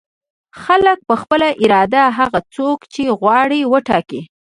خلک په خپله اراده هغه څوک چې غواړي وټاکي.